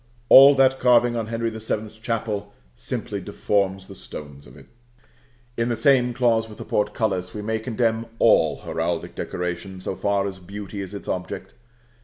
All that carving on Henry the Seventh's Chapel simply deforms the stones of it. In the same clause with the portcullis, we may condemn all heraldic decoration, so far as beauty is its object.